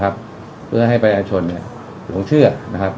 เพื่อให้ประธานชนหลงเชื่อ